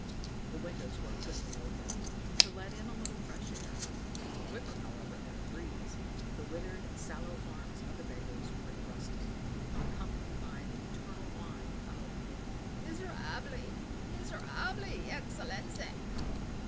The windows were quickly opened, to let in a little fresh air. Quicker, however, than the breeze, the withered, sallow arms of the beggars were thrust in, accompanied by the eternal whine of "Miserabili, miserabili, excellenza!"